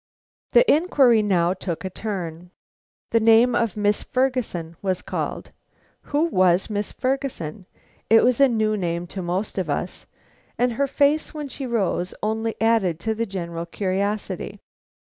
The inquiry now took a turn. The name of Miss Ferguson was called. Who was Miss Ferguson? It was a new name to most of us, and her face when she rose only added to the general curiosity.